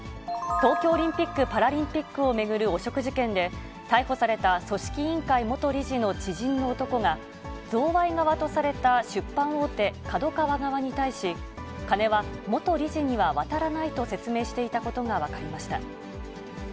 東京オリンピック・パラリンピックを巡る汚職事件で、逮捕された組織委員会元理事の知人の男が、贈賄側とされた、出版大手、ＫＡＤＯＫＡＷＡ側に対し、金は元理事には渡らないと説明していたことが分かりました。